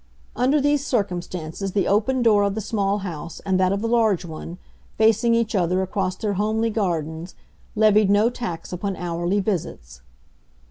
Under these circumstances the open door of the small house and that of the large one, facing each other across their homely gardens, levied no tax upon hourly visits.